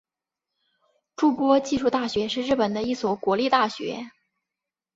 筑波技术大学是日本的一所国立大学。